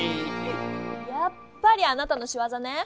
やっぱりあなたのしわざね！